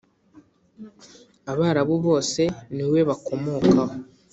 Abarabu bose niwe bakomokaho